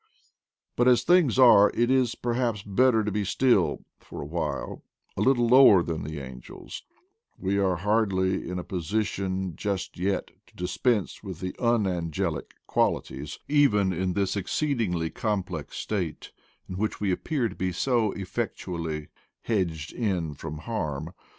But, as things are, it is, perhaps, better to be still, for a while, a little lower than the angels: we are hardly in a position just yet to dispense with the unangelic qualities, even in this exceedingly complex state, in which we appear to be so effectually " hedged in from harm."